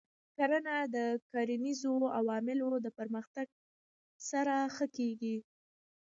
کرنه د کرنیزو علومو د پرمختګ سره ښه کېږي.